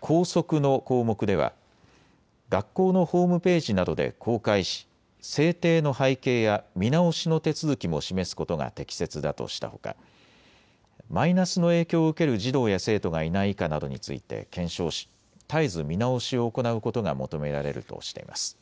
校則の項目では、学校のホームページなどで公開し制定の背景や見直しの手続きも示すことが適切だとしたほかマイナスの影響を受ける児童や生徒がいないかなどについて検証し、絶えず見直しを行うことが求められるとしています。